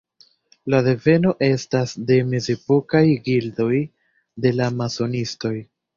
La deveno estas de mezepokaj gildoj de la masonistoj.